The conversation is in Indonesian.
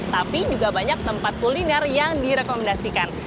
tapi juga banyak tempat kuliner yang direkomendasikan